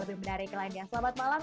lebih menarik lainnya selamat malam